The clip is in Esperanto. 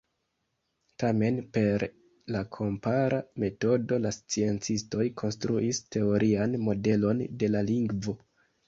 Tamen, per la kompara metodo la sciencistoj konstruis teorian modelon de la lingvo.